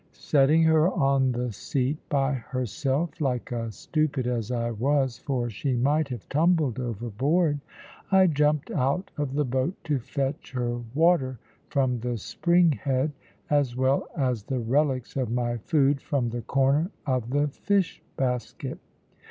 Setting her on the seat by herself (like a stupid, as I was, for she might have tumbled overboard), I jumped out of the boat to fetch her water from the spring head, as well as the relics of my food from the corner of the fish basket.